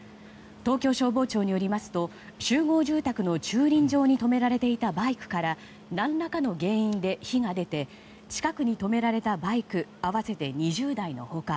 東京消防庁によりますと集合住宅の駐輪場に止められていたバイクから何らかの原因で火が出て近くに止められたバイク合わせて２０台の他